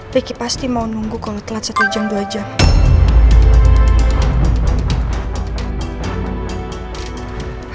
ricky pasti mau nunggu kalau telat satu jam dua jam